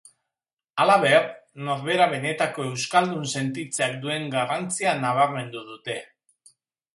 Halaber, norbera benetako euskaldun sentitzeak duen garrantzia nabarmendu dute.